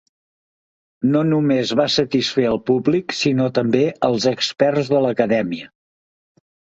No només va satisfer al públic sinó també als experts de l'Acadèmia.